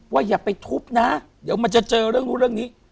อย่าไปทุบนะเดี๋ยวมันจะเจอเรื่องนู้นเรื่องนี้